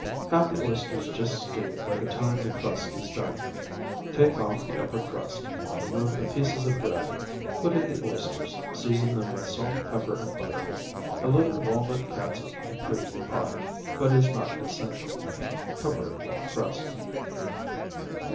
Have the oysters just stewed by the time the crust is done take off the upper crust, remove the pieces of bread, put in the oysters, season them with salt, pepper, and butter. A little walnut catsup improves the pie, but is not essential cover it with the crust.